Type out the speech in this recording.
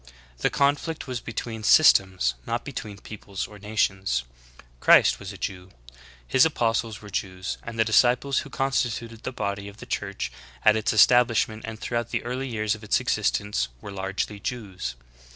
The conflict was between systems, not between peoples or nations. Christ was a Jew : His apostles were Jews, and the disciples who constituted the body of the Church at its establishment and throughout the early years of its existence were largely Jews.